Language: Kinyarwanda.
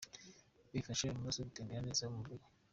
Bifasha amaraso gutembera neza u mubiri.